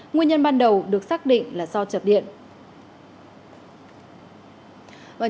nguyên nhân ban đầu được xác định là do chập điện